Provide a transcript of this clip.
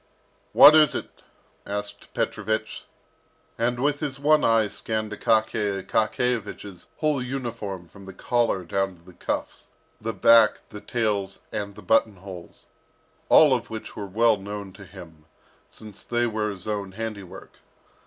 "What is it?" asked Petrovich, and with his one eye scanned Akaky Akakiyevich's whole uniform from the collar down to the cuffs, the back, the tails and the button holes, all of which were well known to him, since they were his own handiwork.